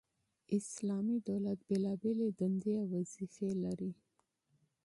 اسلامي دولت بيلابېلي دندي او وظيفي لري،